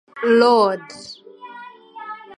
It was designed for export market.